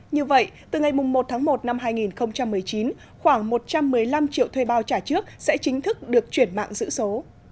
như vậy từ ngày một tháng một năm hai nghìn một mươi chín khoảng một trăm một mươi năm triệu thuê bao trả trước sẽ chính thức được chuyển mạng giữ số